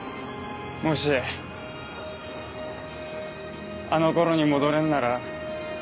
もしあのころに戻れんなら。